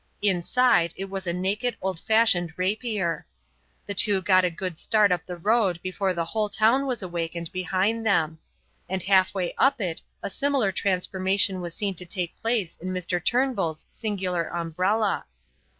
Inside it was a naked old fashioned rapier. The two got a good start up the road before the whole town was awakened behind them; and half way up it a similar transformation was seen to take place in Mr. Turnbull's singular umbrella.